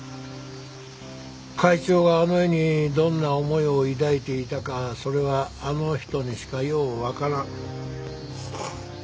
会長があの絵にどんな思いを抱いていたかそれはあの人にしかようわからん。